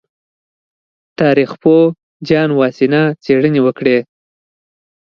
تاریخ پوه جان واسینا څېړنې وکړې.